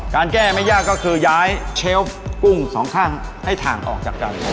การแก้ไม่ยากก็คือย้ายเชฟกุ้งสองข้างให้ถ่างออกจากกัน